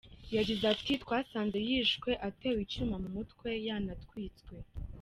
Yagize ati “Twasanze yishwe atewe icyuma mu mutwe yanatwitswe.